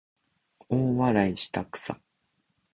大笑いしたくさ